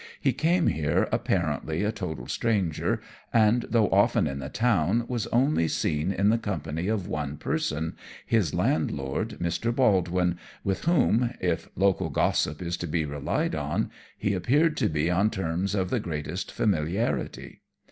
He came here apparently a total stranger, and though often in the town, was only seen in the company of one person his landlord, Mr. Baldwin, with whom if local gossip is to be relied on he appeared to be on terms of the greatest familiarity.